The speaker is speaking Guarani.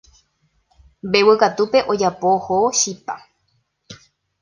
Mbeguekatúpe ojapo ohóvo chipa.